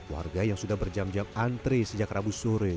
warga yang sudah berjam jam antre sejak rabu sore